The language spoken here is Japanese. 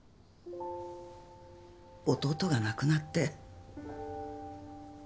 弟が亡くなって。